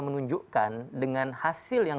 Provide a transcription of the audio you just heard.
menunjukkan dengan hasil yang